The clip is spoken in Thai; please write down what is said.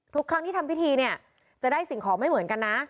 ทุกครั้งที่ทำพิธีเนี่ยจะได้สิ่งของไม่เหมือนกันนะ